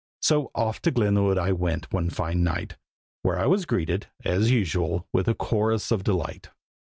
So off to Glenwood I went one fine night, where I was greeted, as usual, with a chorus of delight.